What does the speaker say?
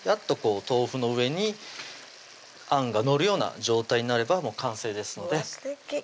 豆腐の上にあんが載るような状態になれば完成ですのでうわっ